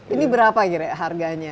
ini berapa harganya